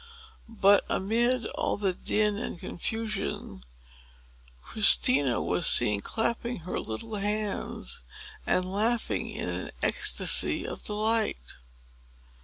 But, amid all the din and confusion, Christina was seen clapping her little hands, and laughing in an ecstasy of delight.